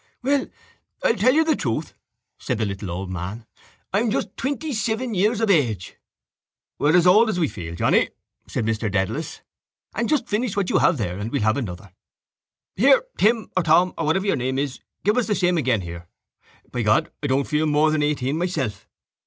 —Well, I'll tell you the truth, said the little old man. I'm just twentyseven years of age. —We're as old as we feel, Johnny, said Mr Dedalus. And just finish what you have there and we'll have another. Here, Tim or Tom or whatever your name is, give us the same again here. By God, I don't feel more than eighteen myself.